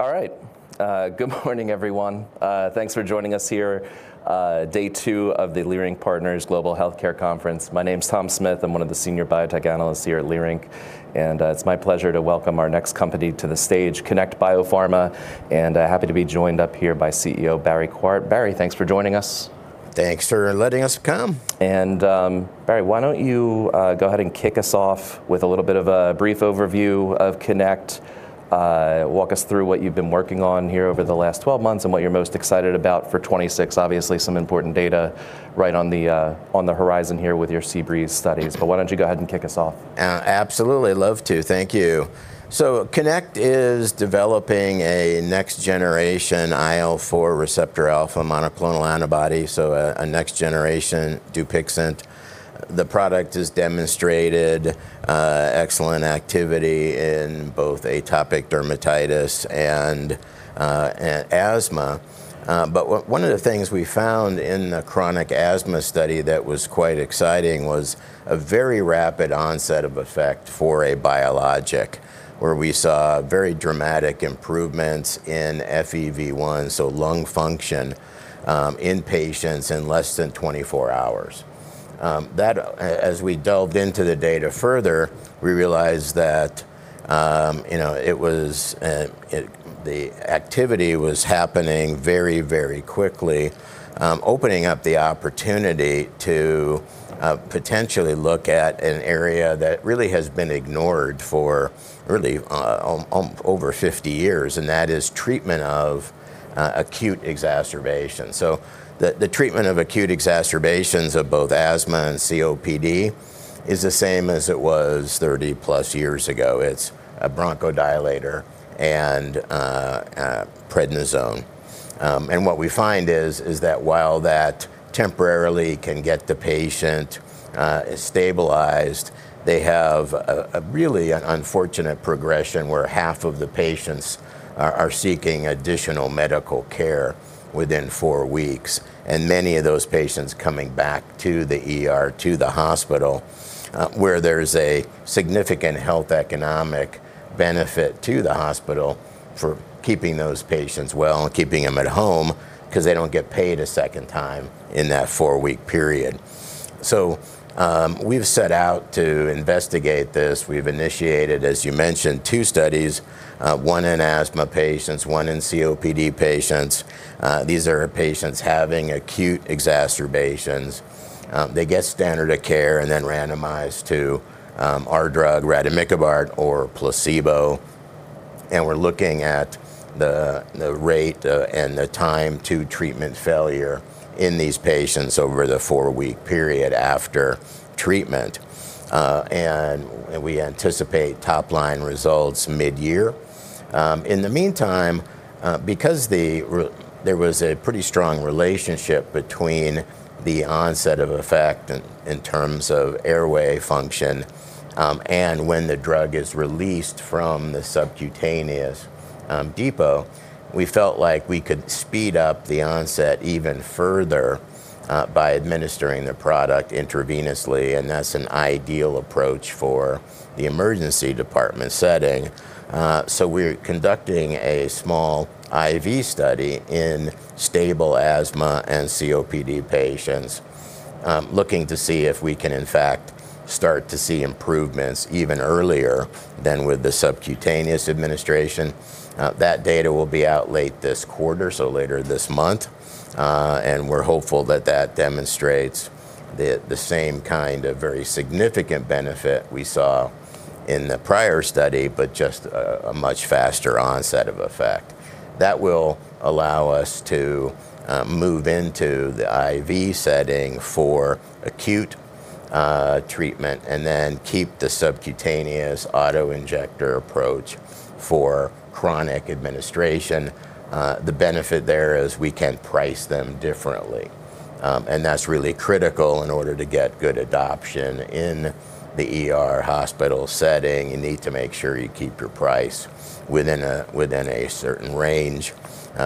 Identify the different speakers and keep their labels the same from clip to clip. Speaker 1: All right. Good morning, everyone. Thanks for joining us here, day two of the Leerink Partners Global Healthcare Conference. My name's Tom Smith. I'm one of the senior biotech analysts here at Leerink, and it's my pleasure to welcome our next company to the stage, Connect Biopharma, and happy to be joined up here by CEO Barry Quart. Barry, thanks for joining us.
Speaker 2: Thanks for letting us come.
Speaker 1: Barry, why don't you go ahead and kick us off with a little bit of a brief overview of Connect. Walk us through what you've been working on here over the last 12 months and what you're most excited about for 2026. Obviously, some important data right on the horizon here with your Seabreeze studies. Why don't you go ahead and kick us off?
Speaker 2: Absolutely. Love to. Thank you. Connect is developing a next-generation IL-4 receptor alpha monoclonal antibody, a next-generation DUPIXENT. The product has demonstrated excellent activity in both atopic dermatitis and asthma. One of the things we found in the chronic asthma study that was quite exciting was a very rapid onset of effect for a biologic, where we saw very dramatic improvements in FEV1, so lung function, in patients in less than 24 hours. As we delved into the data further, we realized that, you know, the activity was happening very, very quickly, opening up the opportunity to potentially look at an area that really has been ignored for really over 50 years, and that is treatment of acute exacerbations. The treatment of acute exacerbations of both asthma and COPD is the same as it was 30+ years ago. It's a bronchodilator and prednisone. What we find is that while that temporarily can get the patient stabilized, they have a really unfortunate progression where half of the patients are seeking additional medical care within four weeks, and many of those patients coming back to the ER, to the hospital, where there's a significant health economic benefit to the hospital for keeping those patients well, keeping them at home, 'cause they don't get paid a second time in that four-week period. We've set out to investigate this. We've initiated, as you mentioned, two studies, one in asthma patients, one in COPD patients. These are patients having acute exacerbations. They get standard of care and then randomized to our drug, rademikibart, or placebo, and we're looking at the rate and the time to treatment failure in these patients over the four-week period after treatment. We anticipate top-line results mid-year. In the meantime, because there was a pretty strong relationship between the onset of effect in terms of airway function and when the drug is released from the subcutaneous depot, we felt like we could speed up the onset even further by administering the product intravenously, and that's an ideal approach for the emergency department setting. We're conducting a small IV study in stable asthma and COPD patients looking to see if we can in fact start to see improvements even earlier than with the subcutaneous administration. That data will be out late this quarter, so later this month, and we're hopeful that that demonstrates the same kind of very significant benefit we saw in the prior study, but just a much faster onset of effect. That will allow us to move into the IV setting for acute treatment and then keep the subcutaneous auto-injector approach for chronic administration. The benefit there is we can price them differently, and that's really critical in order to get good adoption in the ER hospital setting. You need to make sure you keep your price within a certain range.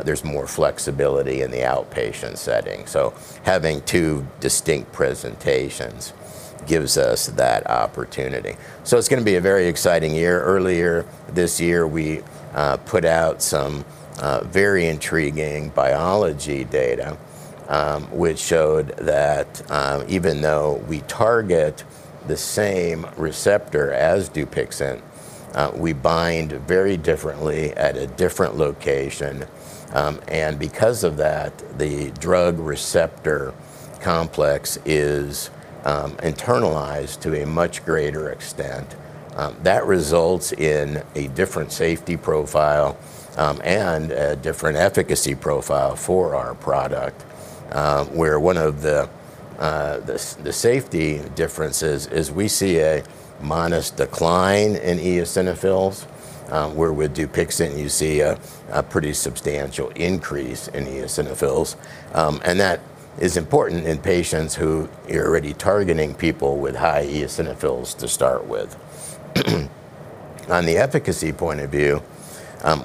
Speaker 2: There's more flexibility in the outpatient setting. Having two distinct presentations gives us that opportunity. It's gonna be a very exciting year. Earlier this year, we put out some very intriguing biology data, which showed that even though we target the same receptor as DUPIXENT, we bind very differently at a different location, and because of that, the drug receptor complex is internalized to a much greater extent. That results in a different safety profile, and a different efficacy profile for our product, where one of the safety differences is we see a modest decline in eosinophils, where with DUPIXENT you see a pretty substantial increase in eosinophils, and that is important in patients who you're already targeting people with high eosinophils to start with. On the efficacy point of view,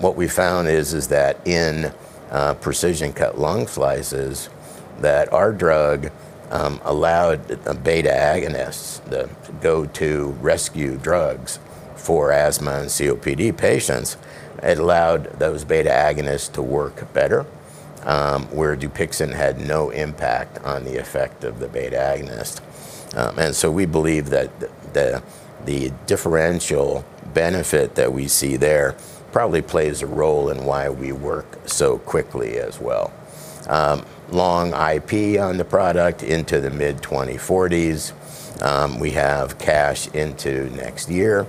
Speaker 2: what we found is that in precision-cut lung slices that our drug allowed the beta-agonists, the go-to rescue drugs for asthma and COPD patients, it allowed those beta-agonists to work better, where DUPIXENT had no impact on the effect of the beta-agonist. We believe that the differential benefit that we see there probably plays a role in why we work so quickly as well. Long IP on the product into the mid-2040s. We have cash into next year.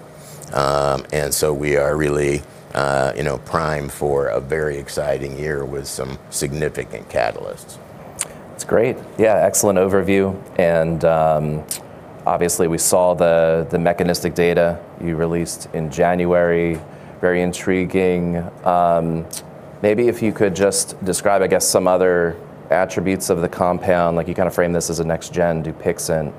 Speaker 2: We are really, you know, primed for a very exciting year with some significant catalysts.
Speaker 1: That's great. Yeah, excellent overview. Obviously we saw the mechanistic data you released in January, very intriguing. Maybe if you could just describe, I guess, some other attributes of the compound. Like you kind of frame this as a next gen DUPIXENT.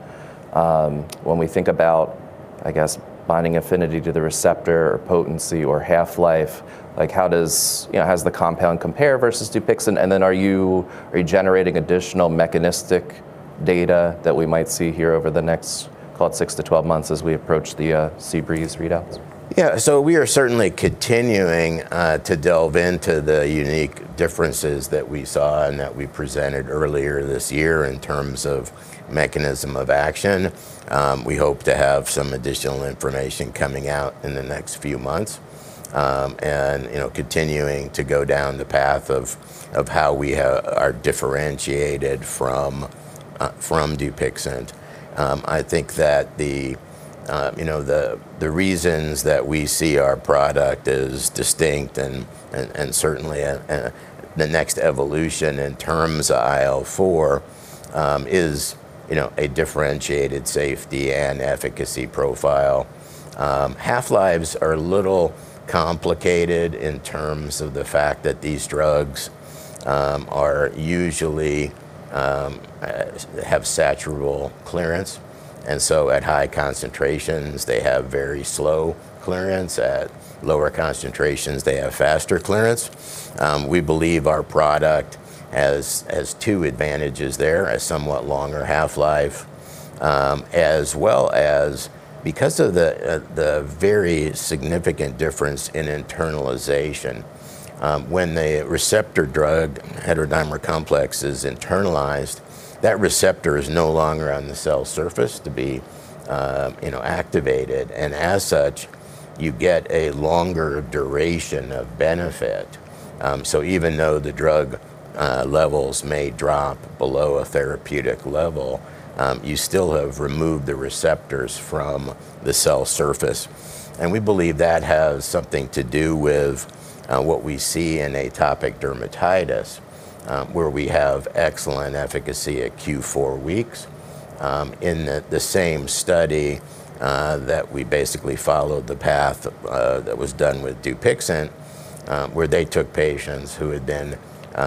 Speaker 1: When we think about, I guess, binding affinity to the receptor or potency or half-life, like how does, you know, how does the compound compare versus DUPIXENT? Then are you generating additional mechanistic data that we might see here over the next, call it six to 12 months as we approach the Seabreeze readouts?
Speaker 2: Yeah. We are certainly continuing to delve into the unique differences that we saw and that we presented earlier this year in terms of mechanism of action. We hope to have some additional information coming out in the next few months. You know, continuing to go down the path of how we are differentiated from DUPIXENT. I think that you know, the reasons that we see our product as distinct and certainly the next evolution in terms of IL-4 is you know, a differentiated safety and efficacy profile. Half-lives are a little complicated in terms of the fact that these drugs are usually have saturable clearance. At high concentrations, they have very slow clearance. At lower concentrations, they have faster clearance. We believe our product has two advantages there, a somewhat longer half-life, as well as because of the very significant difference in internalization, when the receptor drug heterodimer complex is internalized, that receptor is no longer on the cell surface to be, you know, activated. As such, you get a longer duration of benefit. Even though the drug levels may drop below a therapeutic level, you still have removed the receptors from the cell surface. We believe that has something to do with what we see in atopic dermatitis, where we have excellent efficacy at Q4 weeks. In the same study that we basically followed the path that was done with DUPIXENT, where they took patients who had been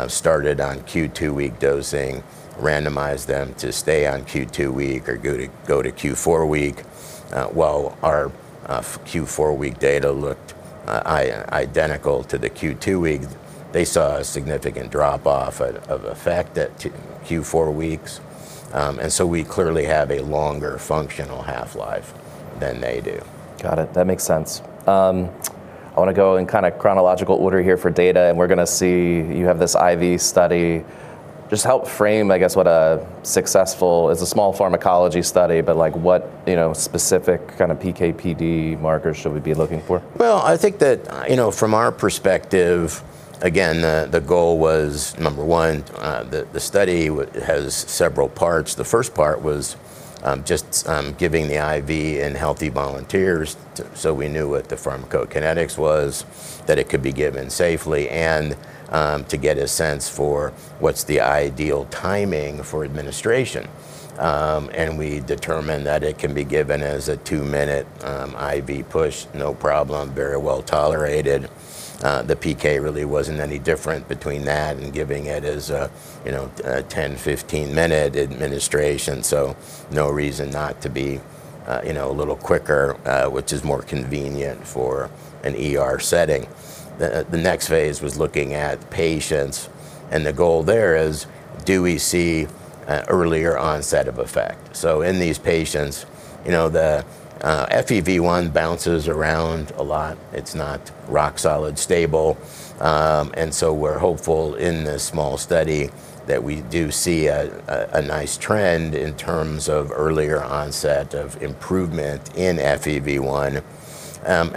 Speaker 2: started on Q2 week dosing, randomized them to stay on Q2 week or go to Q4 week. While our Q4 week data looked identical to the Q2 week, they saw a significant drop-off of effect at Q4 weeks. We clearly have a longer functional half-life than they do.
Speaker 1: Got it. That makes sense. I wanna go in kinda chronological order here for data, and we're gonna see you have this IV study. Just help frame, I guess. It's a small pharmacology study, but, like, what, you know, specific kind of PK/PD markers should we be looking for?
Speaker 2: Well, I think that, you know, from our perspective, again, the goal was, number one, the study has several parts. The first part was just giving the IV in healthy volunteers so we knew what the pharmacokinetics was, that it could be given safely, and to get a sense for what's the ideal timing for administration. We determined that it can be given as a two-minute IV push, no problem, very well tolerated. The PK really wasn't any different between that and giving it as a, you know, a 10, 15-minute administration, so no reason not to be, you know, a little quicker, which is more convenient for an ER setting. The next phase was looking at patients, and the goal there is do we see an earlier onset of effect? In these patients, you know, the FEV1 bounces around a lot. It's not rock solid stable. We're hopeful in this small study that we do see a nice trend in terms of earlier onset of improvement in FEV1.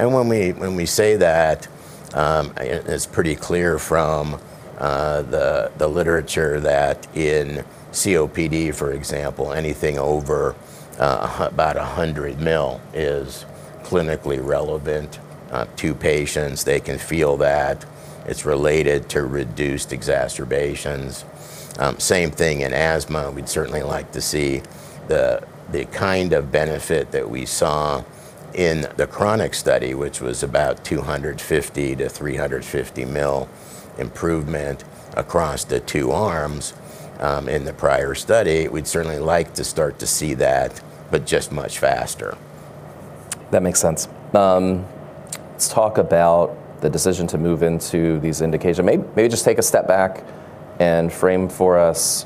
Speaker 2: When we say that, it's pretty clear from the literature that in COPD, for example, anything over about 100 mL is clinically relevant to patients. They can feel that. It's related to reduced exacerbations. Same thing in asthma. We'd certainly like to see the kind of benefit that we saw in the chronic study, which was about 250 mL-350 mL improvement across the two arms in the prior study. We'd certainly like to start to see that, but just much faster.
Speaker 1: That makes sense. Let's talk about the decision to move into these indications. Maybe just take a step back and frame for us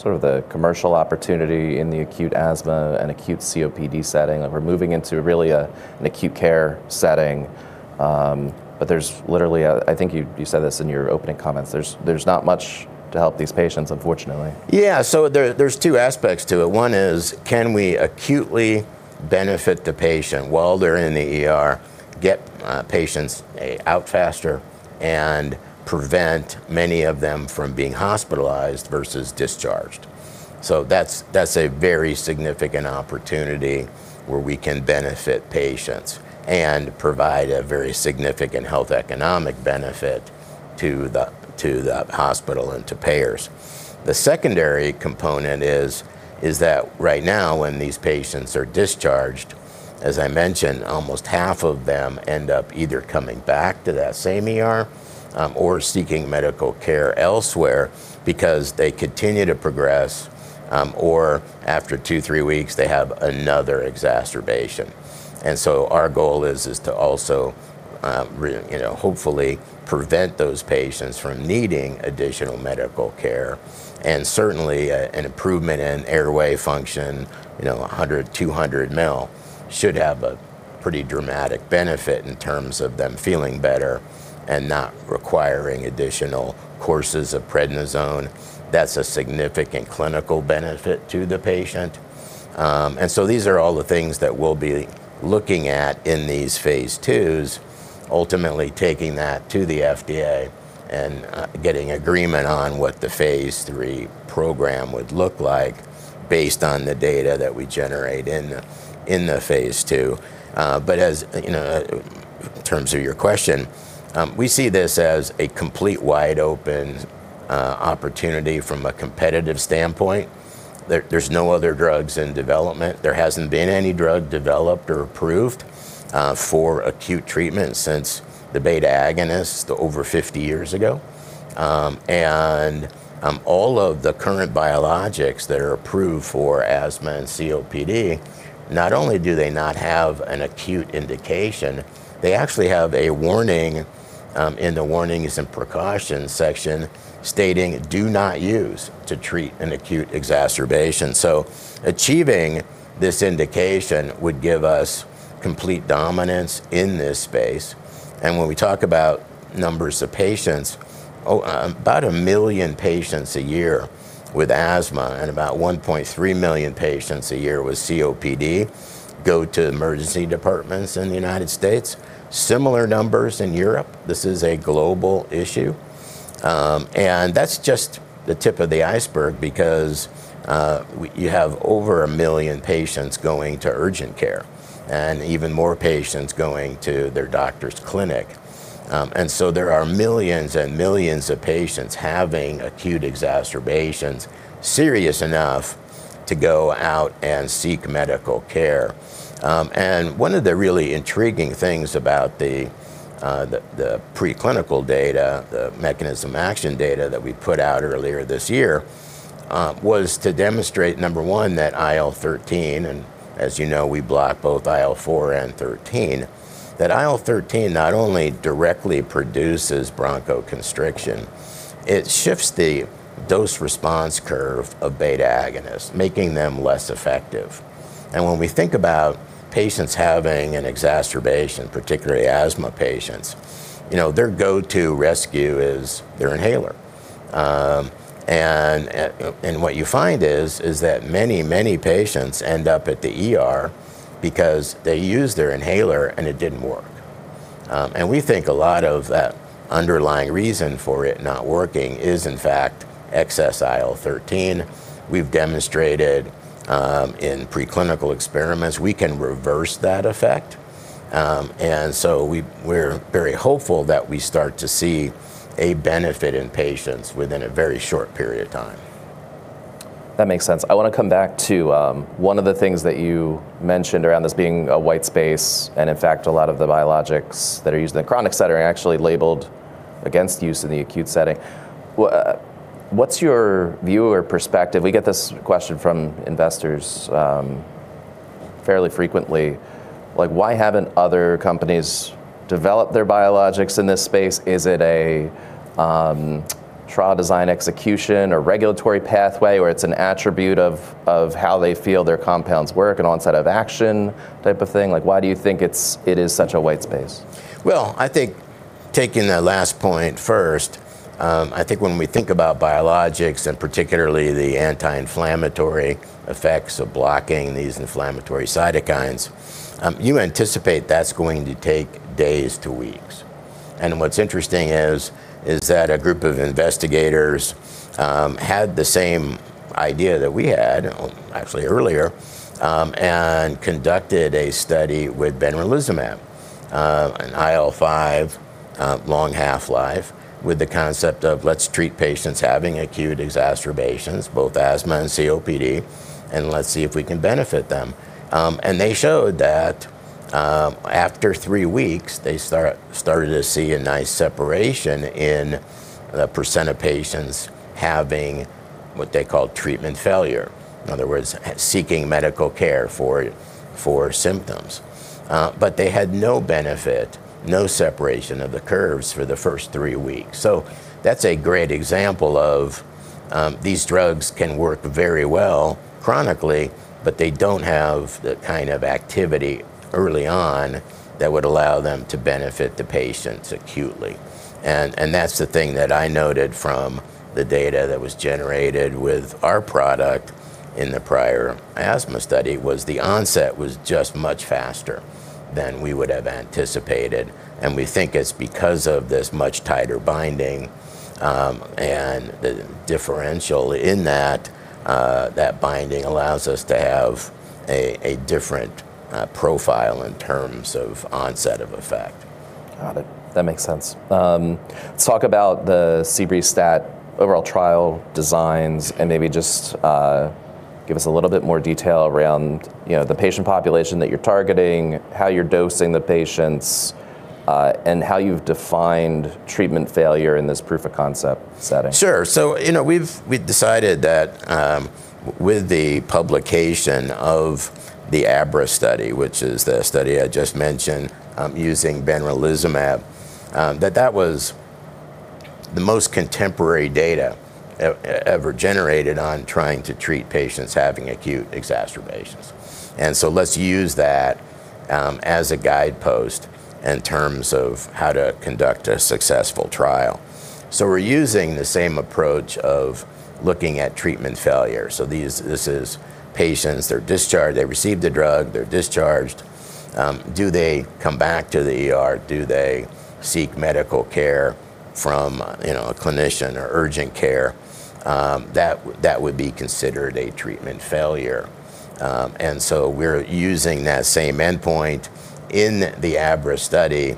Speaker 1: sort of the commercial opportunity in the acute asthma and acute COPD setting. We're moving into really an acute care setting, but there's literally, I think you said this in your opening comments, there's not much to help these patients, unfortunately.
Speaker 2: There's two aspects to it. One is, can we acutely benefit the patient while they're in the ER, get patients out faster and prevent many of them from being hospitalized versus discharged. That's a very significant opportunity where we can benefit patients and provide a very significant health economic benefit to the hospital and to payers. The secondary component is that right now, when these patients are discharged, as I mentioned, almost half of them end up either coming back to that same ER or seeking medical care elsewhere because they continue to progress or after two, three weeks, they have another exacerbation. Our goal is to also, you know, hopefully prevent those patients from needing additional medical care, and certainly an improvement in airway function, you know, 100 mL-200 mL should have a pretty dramatic benefit in terms of them feeling better and not requiring additional courses of prednisone. That's a significant clinical benefit to the patient. These are all the things that we'll be looking at in these phase IIs, ultimately taking that to the FDA and getting agreement on what the phase III program would look like based on the data that we generate in the phase II. As you know, in terms of your question, we see this as a complete wide open opportunity from a competitive standpoint. There's no other drugs in development. There hasn't been any drug developed or approved for acute treatment since the beta agonist over 50 years ago. All of the current biologics that are approved for asthma and COPD not only do they not have an acute indication, they actually have a warning, in the warnings and precautions section stating, "Do not use to treat an acute exacerbation." Achieving this indication would give us complete dominance in this space. When we talk about numbers of patients, about a million patients a year with asthma and about 1.3 million patients a year with COPD go to emergency departments in the United States. Similar numbers in Europe. This is a global issue. That's just the tip of the iceberg because you have over a million patients going to urgent care and even more patients going to their doctor's clinic. There are millions and millions of patients having acute exacerbations serious enough to go out and seek medical care. One of the really intriguing things about the preclinical data, the mechanism of action data that we put out earlier this year, was to demonstrate, number one, that IL-13, and as you know, we block both IL-4 and IL-13, that IL-13 not only directly produces bronchoconstriction, it shifts the dose-response curve of beta-agonists, making them less effective. When we think about patients having an exacerbation, particularly asthma patients, you know, their go-to rescue is their inhaler. What you find is that many patients end up at the ER because they used their inhaler and it didn't work. We think a lot of that underlying reason for it not working is, in fact, excess IL-13. We've demonstrated in preclinical experiments we can reverse that effect, and so we're very hopeful that we start to see a benefit in patients within a very short period of time.
Speaker 1: That makes sense. I wanna come back to one of the things that you mentioned around this being a white space, and in fact, a lot of the biologics that are used in a chronic setting are actually labeled against use in the acute setting. What's your view or perspective? We get this question from investors fairly frequently. Like, why haven't other companies developed their biologics in this space? Is it a trial design execution or regulatory pathway, or it's an attribute of how they feel their compounds work and onset of action type of thing? Like, why do you think it is such a white space?
Speaker 2: Well, I think taking that last point first, I think when we think about biologics and particularly the anti-inflammatory effects of blocking these inflammatory cytokines, you anticipate that's going to take days to weeks. What's interesting is that a group of investigators had the same idea that we had, actually earlier, and conducted a study with benralizumab, an IL-5 long half-life, with the concept of let's treat patients having acute exacerbations, both asthma and COPD, and let's see if we can benefit them. They showed that after three weeks, they started to see a nice separation in the percent of patients having what they call treatment failure. In other words, seeking medical care for symptoms. They had no benefit, no separation of the curves for the first three weeks. That's a great example of these drugs can work very well chronically, but they don't have the kind of activity early on that would allow them to benefit the patients acutely. That's the thing that I noted from the data that was generated with our product in the prior asthma study was the onset was just much faster than we would have anticipated. We think it's because of this much tighter binding and the differential in that that binding allows us to have a different profile in terms of onset of effect.
Speaker 1: Got it. That makes sense. Let's talk about the Seabreeze STAT overall trial designs and maybe just give us a little bit more detail around, you know, the patient population that you're targeting, how you're dosing the patients, and how you've defined treatment failure in this proof of concept setting.
Speaker 2: Sure. You know, we've decided that with the publication of the ABRA study, which is the study I just mentioned, using benralizumab, that was the most contemporary data ever generated on trying to treat patients having acute exacerbations. Let's use that as a guidepost in terms of how to conduct a successful trial. We're using the same approach of looking at treatment failure. These patients, they're discharged, they receive the drug, they're discharged. Do they come back to the ER? Do they seek medical care from, you know, a clinician or urgent care? That would be considered a treatment failure. We're using that same endpoint. In the ABRA study,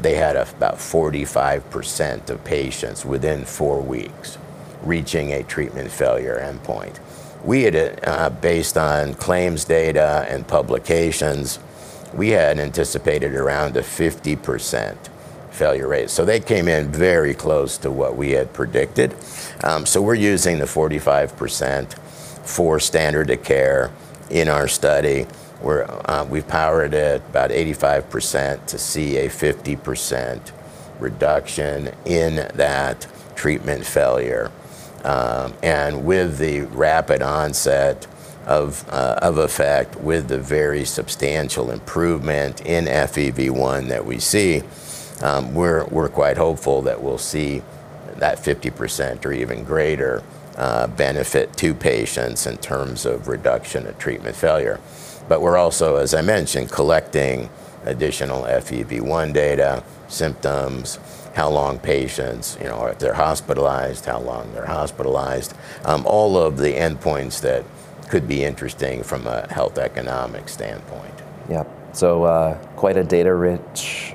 Speaker 2: they had about 45% of patients within four weeks reaching a treatment failure endpoint. We had, based on claims data and publications, we had anticipated around a 50% failure rate. They came in very close to what we had predicted. We're using the 45% for standard of care in our study. We've powered it about 85% to see a 50% reduction in that treatment failure. With the rapid onset of effect, with the very substantial improvement in FEV1 that we see, we're quite hopeful that we'll see that 50% or even greater benefit to patients in terms of reduction in treatment failure. We're also, as I mentioned, collecting additional FEV1 data, symptoms, how long patients, you know, if they're hospitalized, how long they're hospitalized, all of the endpoints that could be interesting from a health economic standpoint.
Speaker 1: Quite a data-rich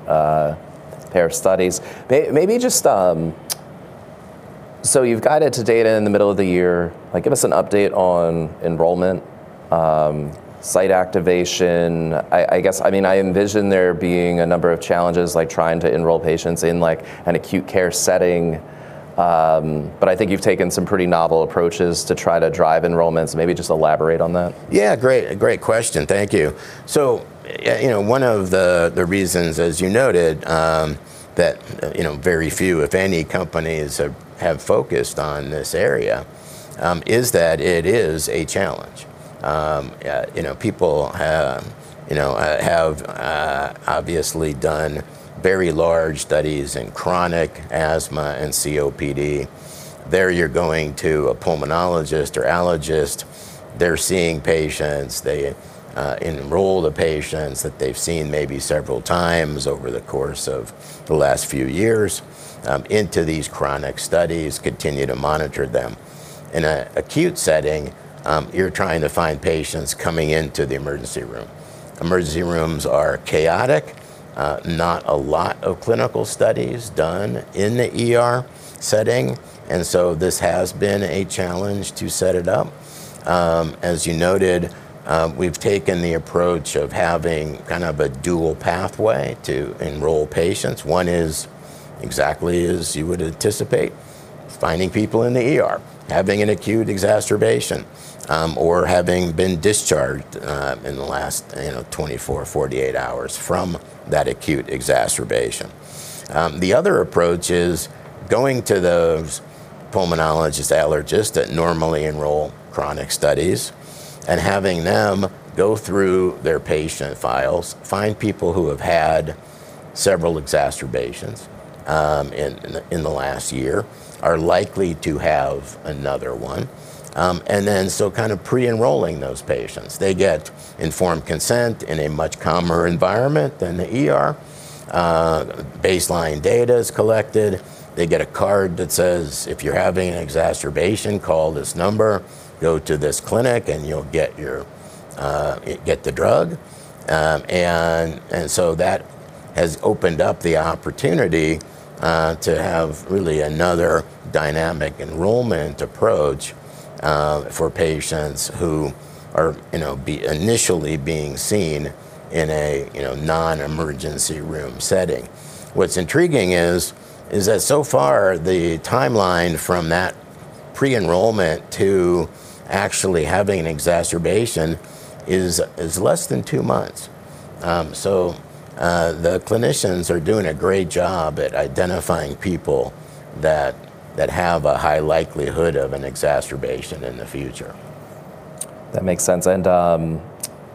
Speaker 1: pair of studies. Maybe just topline data in the middle of the year. Like, give us an update on enrollment, site activation. I guess, I mean, I envision there being a number of challenges like trying to enroll patients in like an acute care setting. But I think you've taken some pretty novel approaches to try to drive enrollments. Maybe just elaborate on that.
Speaker 2: Yeah, great. Great question. Thank you. You know, one of the reasons, as you noted, that you know, very few, if any, companies have focused on this area, is that it is a challenge. You know, people you know, have obviously done very large studies in chronic asthma and COPD. There you're going to a pulmonologist or allergist. They're seeing patients. They enroll the patients that they've seen maybe several times over the course of the last few years, into these chronic studies, continue to monitor them. In an acute setting, you're trying to find patients coming into the emergency room. Emergency rooms are chaotic. Not a lot of clinical studies done in the ER setting, this has been a challenge to set it up. As you noted, we've taken the approach of having kind of a dual pathway to enroll patients. One is exactly as you would anticipate, finding people in the ER having an acute exacerbation, or having been discharged in the last, you know, 24, 48 hours from that acute exacerbation. The other approach is going to those pulmonologists, allergists that normally enroll chronic studies and having them go through their patient files, find people who have had several exacerbations in the last year, are likely to have another one. Kind of pre-enrolling those patients. They get informed consent in a much calmer environment than the ER. Baseline data is collected. They get a card that says, "If you're having an exacerbation, call this number, go to this clinic, and you'll get the drug." So that has opened up the opportunity to have really another dynamic enrollment approach for patients who are, you know, initially being seen in a, you know, non-emergency room setting. What's intriguing is that so far the timeline from that pre-enrollment to actually having an exacerbation is less than two months. The clinicians are doing a great job at identifying people that have a high likelihood of an exacerbation in the future.
Speaker 1: That makes sense. Yeah,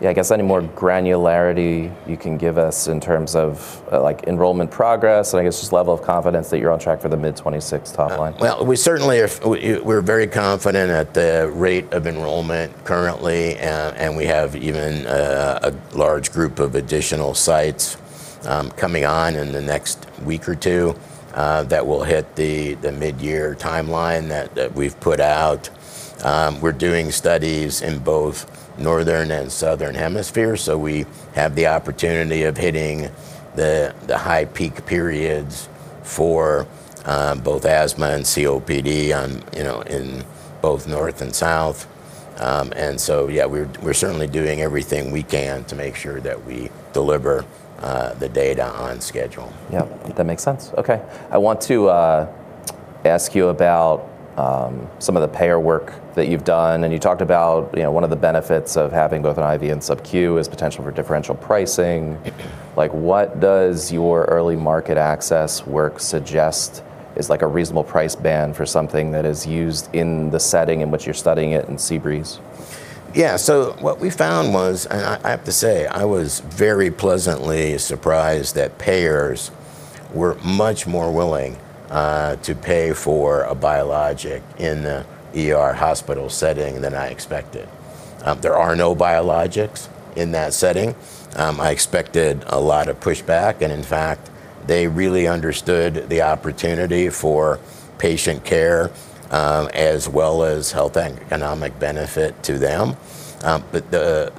Speaker 1: I guess any more granularity you can give us in terms of, like enrollment progress, and I guess just level of confidence that you're on track for the mid-2026 top line?
Speaker 2: Well, we're very confident at the rate of enrollment currently. We have even a large group of additional sites coming on in the next week or two that will hit the midyear timeline that we've put out. We're doing studies in both Northern and Southern Hemispheres, so we have the opportunity of hitting the high peak periods for both asthma and COPD in, you know, both North and South. Yeah, we're certainly doing everything we can to make sure that we deliver the data on schedule.
Speaker 1: Yep. That makes sense. Okay. I want to ask you about some of the payer work that you've done. You talked about, you know, one of the benefits of having both an IV and sub-Q is potential for differential pricing. Like, what does your early market access work suggest is like a reasonable price band for something that is used in the setting in which you're studying it in Seabreeze?
Speaker 2: What we found was, I have to say, I was very pleasantly surprised that payers were much more willing to pay for a biologic in the ER hospital setting than I expected. There are no biologics in that setting. I expected a lot of pushback, and in fact, they really understood the opportunity for patient care, as well as health and economic benefit to them. But the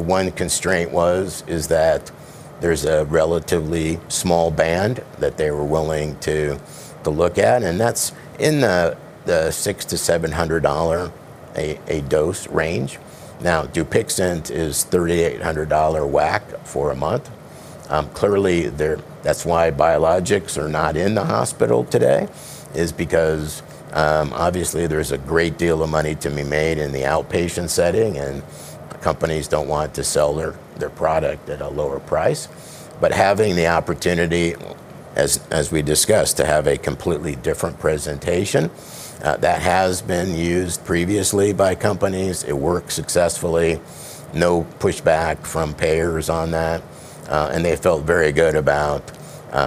Speaker 2: one constraint was that there's a relatively small band that they were willing to look at, and that's in the $600-$700 a dose range. Now, DUPIXENT is $3,800 WAC for a month. Clearly, that's why biologics are not in the hospital today, is because obviously there's a great deal of money to be made in the outpatient setting, and companies don't want to sell their product at a lower price. Having the opportunity, as we discussed, to have a completely different presentation that has been used previously by companies, it worked successfully, no pushback from payers on that, and they felt very good about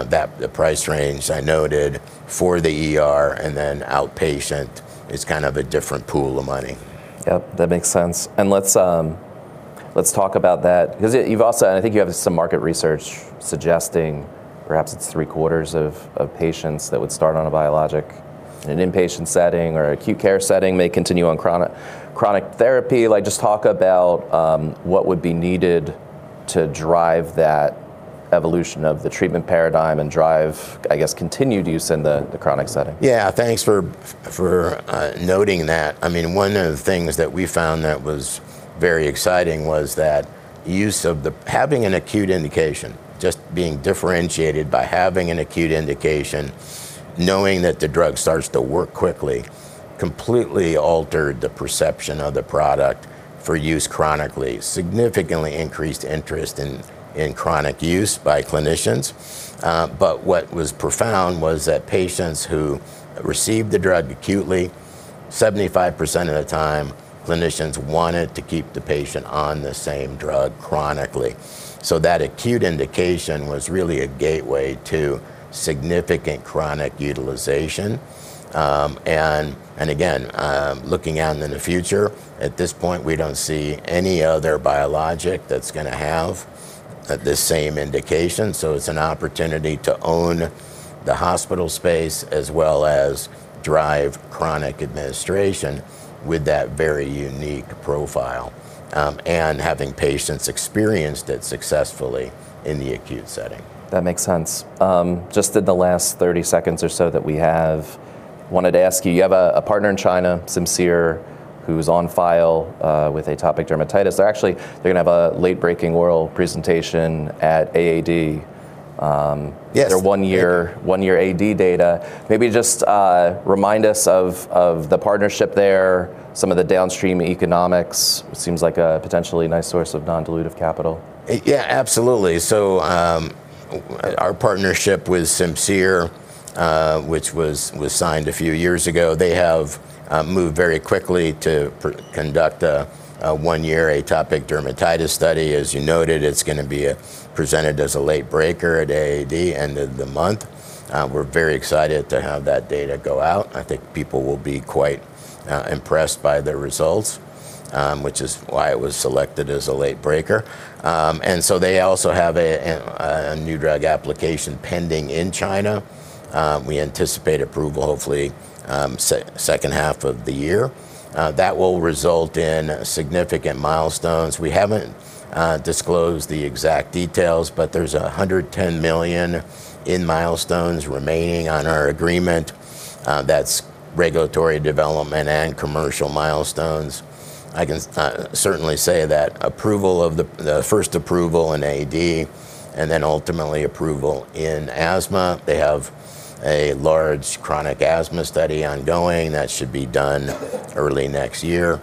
Speaker 2: that, the price range I noted for the ER and then outpatient is kind of a different pool of money.
Speaker 1: Yep, that makes sense. Let's talk about that. Because you've also. I think you have some market research suggesting perhaps it's three-quarters of patients that would start on a biologic in an inpatient setting or acute care setting may continue on chronic therapy. Like, just talk about what would be needed to drive that evolution of the treatment paradigm and drive, I guess, continued use in the chronic setting.
Speaker 2: Yeah. Thanks for noting that. I mean, one of the things that we found that was very exciting was that having an acute indication, just being differentiated by having an acute indication, knowing that the drug starts to work quickly, completely altered the perception of the product for use chronically, significantly increased interest in chronic use by clinicians. But what was profound was that patients who received the drug acutely, 75% of the time clinicians wanted to keep the patient on the same drug chronically. That acute indication was really a gateway to significant chronic utilization. Again, looking out in the future, at this point, we don't see any other biologic that's gonna have the same indication, so it's an opportunity to own the hospital space as well as drive chronic administration with that very unique profile, and having patients experienced it successfully in the acute setting.
Speaker 1: That makes sense. Just in the last 30 seconds or so that we have, wanted to ask you have a partner in China, Simcere, who's on file with atopic dermatitis. They're gonna have a late-breaking oral presentation at AAD.
Speaker 2: Yes
Speaker 1: Their one-year AD data. Maybe just remind us of the partnership there, some of the downstream economics. It seems like a potentially nice source of non-dilutive capital.
Speaker 2: Yeah, absolutely. Our partnership with Simcere, which was signed a few years ago, they have moved very quickly to conduct a one-year atopic dermatitis study. As you noted, it's gonna be presented as a late breaker at AAD end of the month. We're very excited to have that data go out. I think people will be quite impressed by the results, which is why it was selected as a late breaker. They also have a New Drug Application pending in China. We anticipate approval hopefully, second half of the year. That will result in significant milestones. We haven't disclosed the exact details, but there's $110 million in milestones remaining on our agreement. That's regulatory development and commercial milestones. I can certainly say that approval of the first approval in AD, and then ultimately approval in asthma. They have a large chronic asthma study ongoing. That should be done early next year.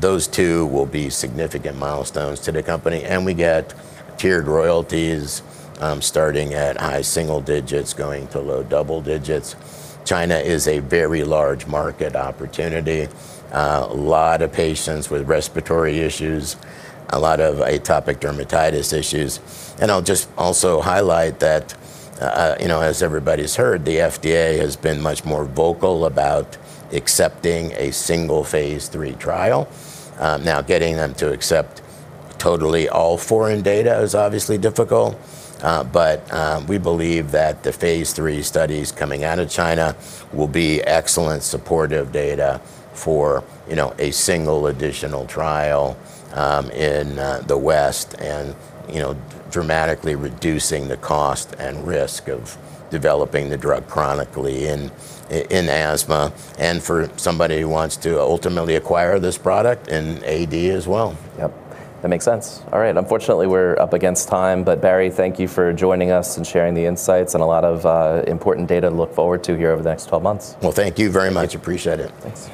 Speaker 2: Those two will be significant milestones to the company. We get tiered royalties starting at high single digits going to low double digits. China is a very large market opportunity. A lot of patients with respiratory issues, a lot of atopic dermatitis issues. I'll just also highlight that, you know, as everybody's heard, the FDA has been much more vocal about accepting a single phase III trial. Now getting them to accept totally all foreign data is obviously difficult. We believe that the phase III studies coming out of China will be excellent supportive data for, you know, a single additional trial in the West and, you know, dramatically reducing the cost and risk of developing the drug chronically in asthma and for somebody who wants to ultimately acquire this product in AD as well.
Speaker 1: Yep. That makes sense. All right. Unfortunately, we're up against time. Barry, thank you for joining us and sharing the insights and a lot of important data to look forward to here over the next 12 months.
Speaker 2: Well, thank you very much. Appreciate it.
Speaker 1: Thanks.